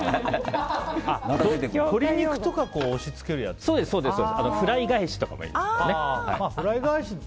鶏肉とか押し付けるやつですよね。